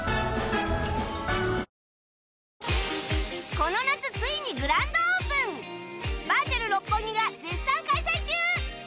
この夏ついにグランドオープンバーチャル六本木が絶賛開催中！